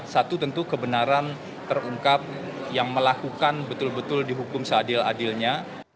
satu tentu kebenaran terungkap yang melakukan betul betul dihukum seadil adilnya